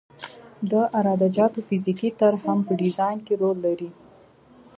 د عراده جاتو فزیکي طرح هم په ډیزاین کې رول لري